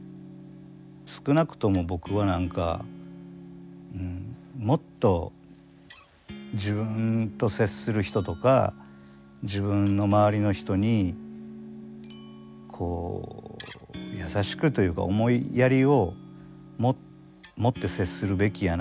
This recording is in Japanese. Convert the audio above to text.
少なくとも僕は何かもっと自分と接する人とか自分の周りの人にこう優しくというか思いやりを持って接するべきやなっていう。